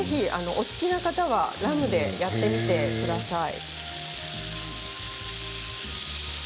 お好きな方はぜひラムでやってみてください。